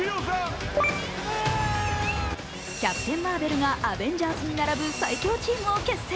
キャプテン・マーベルがアベンジャーズに並ぶ最強チームを結成。